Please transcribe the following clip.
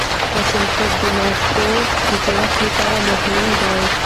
ماشومتوب د ماغزو د جوړښت لپاره مهم دی.